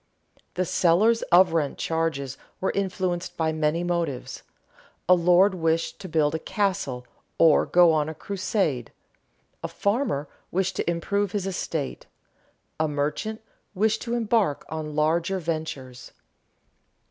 _ The sellers of rent charges were influenced by many motives: a lord wished to build a castle, or go on a crusade; a farmer wished to improve his estate; a merchant wished to embark on larger ventures.